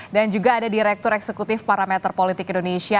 dan juga ada direktur eksekutif parameter politik indonesia